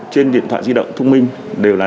trên điện thoại di động thông minh đều là